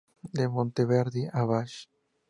De Monteverdi a Bach.